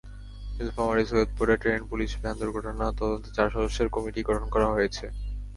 নীলফামারীর সৈয়দপুরে train-police van দুর্ঘটনা তদন্তে চার সদস্যের কমিটি গঠন করা হয়েছে।